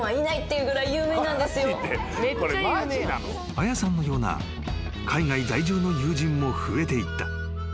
［あやさんのような海外在住の友人も増えていった］